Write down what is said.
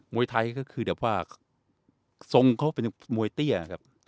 วยไทยก็คือแบบว่าทรงเขาเป็นมวยเตี้ยนะครับ